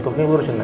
koki lurusin ya